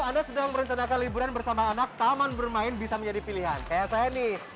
anda sedang merencanakan liburan bersama anak taman bermain bisa menjadi pilihan kayak saya nih